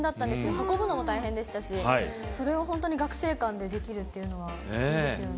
運ぶのも大変でしたし、それを本当に学生間でできるっていうのはいいですよね。